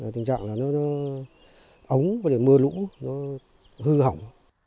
tình trạng là nó ống mưa lũ hư hỏng